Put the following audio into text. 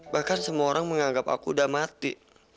bahkan semua orang menganggap aku udah mati